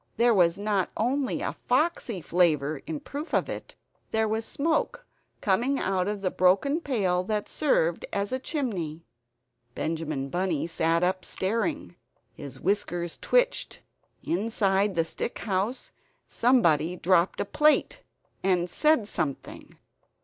There was not only a foxy flavor in proof of it there was smoke coming out of the broken pail that served as a chimney. Benjamin Bunny sat up, staring, his whiskers twitched. Inside the stick house somebody dropped a plate, and said something.